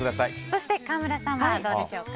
そして、川村さんはどうでしょうか。